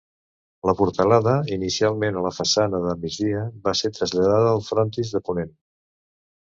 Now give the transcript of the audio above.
La portalada, inicialment a la façana de migdia, va ser traslladada al frontis de ponent.